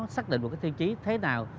xác định một cái tiêu chí thế nào